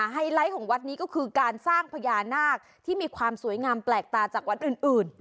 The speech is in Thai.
ไฮไลท์ของวัดนี้ก็คือการสร้างพญานาคที่มีความสวยงามแปลกตาจากวัดอื่น